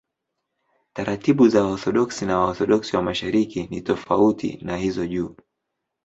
Taratibu za Waorthodoksi na Waorthodoksi wa Mashariki ni tofauti na hizo juu.